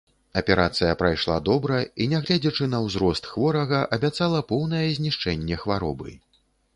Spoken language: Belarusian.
Аперацыя прайшла добра і, нягледзячы на ўзрост хворага, абяцала поўнае знішчэнне хваробы.